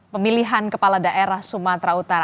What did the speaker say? pemilihan kepala daerah sumatera utara